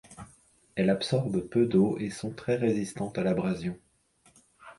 Elle absorbe peu d'eau et sont très résistante à l'abrasion.